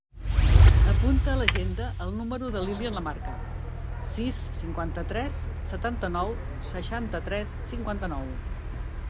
Apunta a l'agenda el número de l'Ilyan Lamarca: sis, cinquanta-tres, setanta-nou, seixanta-tres, cinquanta-nou.